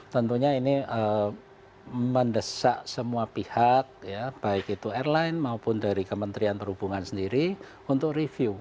tentunya ini mendesak semua pihak ya baik itu airline maupun dari kementerian perhubungan sendiri untuk review